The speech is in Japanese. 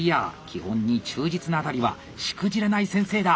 基本に忠実なあたりはしくじらない先生だ！